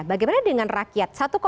bagaimana dengan rakyat